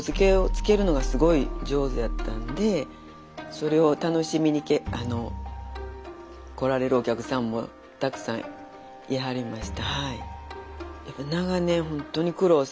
それを楽しみに来られるお客さんもたくさんいはりました。